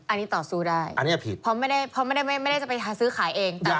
อันนี้ต่อสู้ได้เพราะไม่ได้จะไปซื้อขายเองแต่ว่า